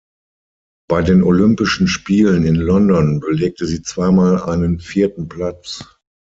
Bei den Olympischen Spielen in London belegte sie zweimal einen vierten Platz.